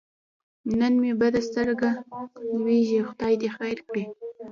نن مې بده سترګه لوېږي خدای دې خیر کړي.